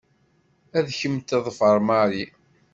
Ad kem-teḍfer Mary.